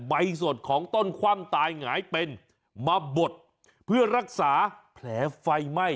ใบสดของต้นคว่ำตายหงายเป็นมาบดเพื่อรักษาแผลไฟไหม้